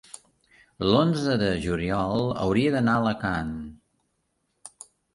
L'onze de juliol hauria d'anar a Alacant.